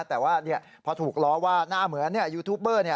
แต่ว่าพอถูกล้อว่าหน้าเหมือนยูทูปเบอร์